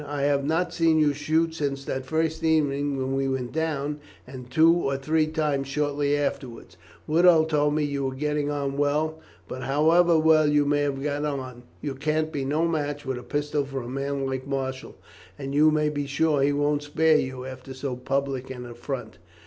I have not seen you shoot since that first evening when we went down, and two or three times shortly afterwards. Woodall told me that you were getting on well; but however well you may have got on, you can be no match with a pistol for a man like Marshall; and you may be sure he won't spare you after so public an affront."